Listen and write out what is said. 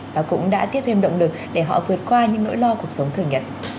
và cũng đã tiết thêm động lực để họ vượt qua những nỗi lo cuộc sống thường nhận